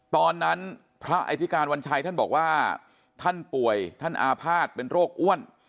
ตอนนั้นพระอธิการวัญชัยท่านบอกว่าท่านป่วยท่านอาภาษณ์เป็นโรคอ้วน